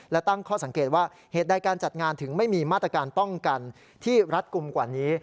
และตั้งข้อสังเกตว่าเหตุใดการจัดงานถึงไม่มีมาตรการป้องกันที่รัดกลุ่มกว่านี้